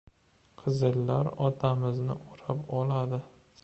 Qizillar otamizni o‘rab oladi.